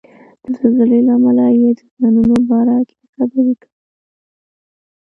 د زلزلې له امله یې د زیانونو باره کې خبرې کولې.